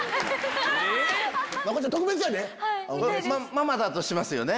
ママだとしますよね。